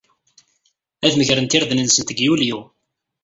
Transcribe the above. Ad megrent irden-nsent deg Yulyu.